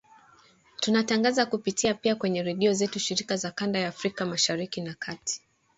tunatangaza kupitia pia kwenye redio zetu shirika za kanda ya Afrika Mashariki na Kati